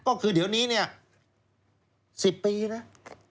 ก็คือเดี๋ยวนี้เนี่ย๑๐ปีนะ